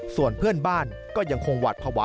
ส่วนเพื่อนบ้านก็ยังคงหวัดภาวะ